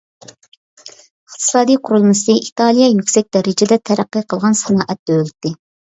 ئىقتىسادىي قۇرۇلمىسى ئىتالىيە يۈكسەك دەرىجىدە تەرەققىي قىلغان سانائەت دۆلىتى.